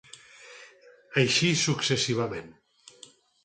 Així successivament.